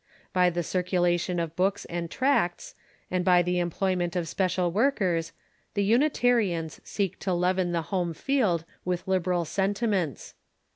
By the circulation of books and tracts, and by the em])loyment of special workers, the Unita rians seek to leaven the home field with liberal sentiments.